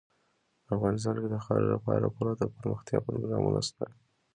افغانستان کې د خاورې لپاره پوره دپرمختیا پروګرامونه شته دي.